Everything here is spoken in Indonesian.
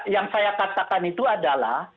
yang saya katakan itu adalah